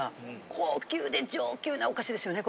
高級で上級なお菓子ですよね